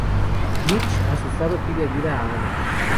Mitch, asustado pide ayuda a Anna.